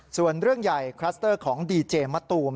ส่วนเรื่องใหญ่คลัสเตอร์ของดีเจมะตูม